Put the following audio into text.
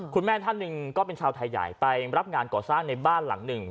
ท่านหนึ่งก็เป็นชาวไทยใหญ่ไปรับงานก่อสร้างในบ้านหลังหนึ่ง